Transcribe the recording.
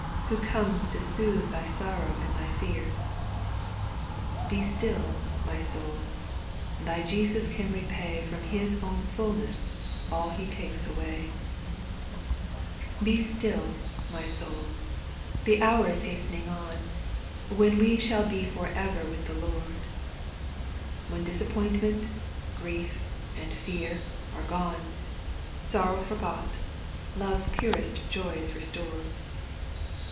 Who comes to sooth thy sorrow and thy fears. Be still, my soul I thy Jesus can repay From His own fulueaa «A\ ^^ \a^fiA^ ^s^^>?^. 894 SPIRITUAL SONGS. 4. Be still, my soul ! the hour is hastening on, When we shall be for ever with the Lord ; When disappointment, grief, and fear, are gone, Sorrow forgot, love's purest joys restored.